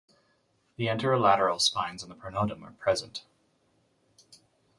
The anterolateral spines on the pronotum are present.